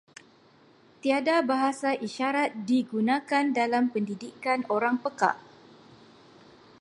Tiada bahasa isyarat digunakan dalam pendidikan orang pekak.